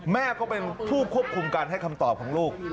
แม่ก็เป็นผู้ควบคุมการให้คำตอบของลูก